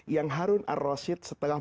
yang harun ar rashid setelah